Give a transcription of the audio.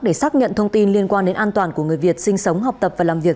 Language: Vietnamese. để xác nhận thông tin liên quan đến an toàn của người việt sinh sống học tập và làm việc